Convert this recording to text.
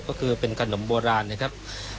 ก็คือเป็นขนมโบราณนะครับ